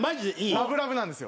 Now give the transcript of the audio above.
ラブラブなんですよ。